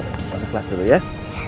kamu masuk kelas dulu yah